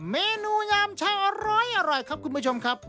เมนูยามเช้าอร้อยครับคุณผู้ชมครับ